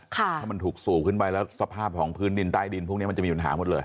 ถ้ามันถูกสูบขึ้นไปแล้วสภาพของพื้นดินใต้ดินพวกนี้มันจะมีปัญหาหมดเลย